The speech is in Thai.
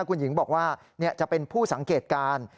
คุณหญิงบอกว่าจะเป็นผู้สังเกตการ